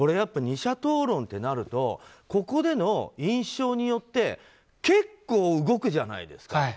２者討論ってなるとここでの印象によって結構、動くじゃないですか。